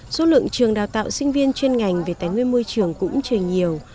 số lượng trường đào tạo sinh viên chuyên ngành về tài nguyên môi trường cũng chưa nhiều